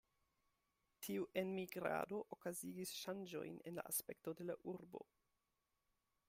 Tiu enmigrado okazigis ŝanĝojn en la aspekto de la urbo.